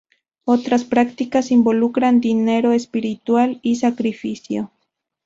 Otras prácticas involucran dinero espiritual y sacrificio.